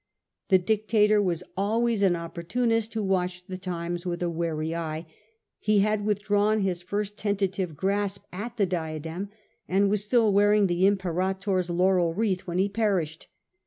The dictator was always an opportunist who watched the times with a wary eye ; he had withdrawn his first tentative grasp at the diadem, and was still wearing the imperator's laurel wreath when he perished.